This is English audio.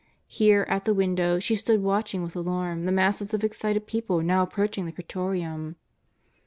Here, at the window, she stood watching with alarm the masses of excited people now approaching the Pra3 torium.